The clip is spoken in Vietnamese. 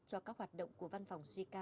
cho các hoạt động của văn phòng gk